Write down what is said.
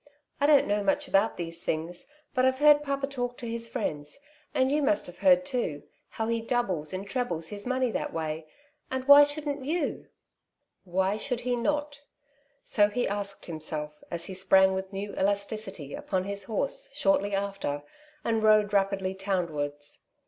I don't know much about these things, but Fve heard papa talk to his friends — and you must have heard too — ^ho w he doubles and trebles his money that way, and why shouldn t you ?'''' Why should he not ?'' So he asked himself, as he sprang with new elasticity upon his horse shortly after, and rode rapidly townwards.